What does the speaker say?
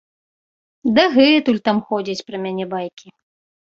Дагэтуль там ходзяць пра мяне байкі.